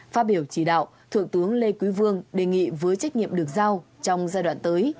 phát biểu chỉ đạo thượng tướng lê quý vương đề nghị với trách nhiệm được giao trong giai đoạn tới